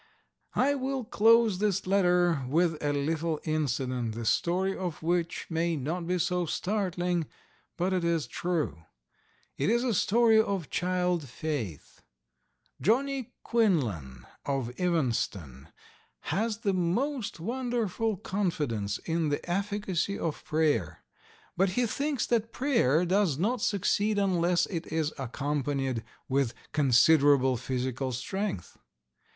I will close this letter with a little incident, the story of which may not be so startling, but it is true. It is a story of child faith. Johnny Quinlan, of Evanston, has the most wonderful confidence in the efficacy of prayer, but he thinks that prayer does not succeed unless it is accompanied with considerable physical strength.